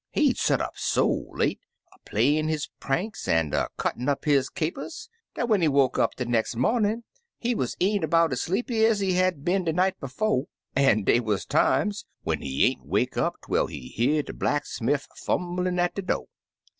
He'd set up so late, a playin' his pranks an' a cuttin' up his capers, dat when he woke up de nex' momin' he wuz e'en 'bout ez sleepy ez he had been de night befo' ; an' dey wuz times when he ain't wake up twel he hear de blacksmiff fumblin' at de do'.